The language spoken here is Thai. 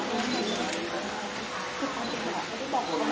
สวัสดีครับสวัสดีครับ